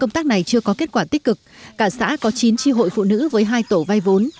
công tác này chưa có kết quả tích cực cả xã có chín tri hội phụ nữ với hai tổ vay vốn